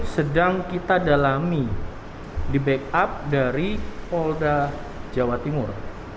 sedang kita dalami di backup dari polda jawa timur